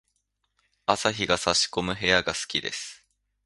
朝日が差し込む部屋が好きです。